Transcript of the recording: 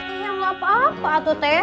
iya gapapa tuh teh